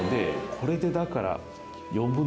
これでだから。